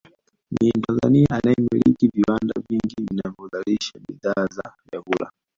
Ni Mtanzania anayemilki viwanda vingi vinavyozalisha bidhaa za vyakula